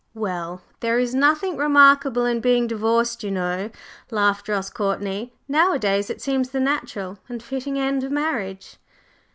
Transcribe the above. "Well, there is nothing remarkable in being divorced, you know," laughed Ross Courtney. "Nowadays it seems the natural and fitting end of marriage."